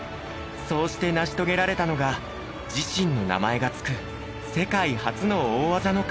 そうして成し遂げられたのが自身の名前が付く世界初の大技の数々。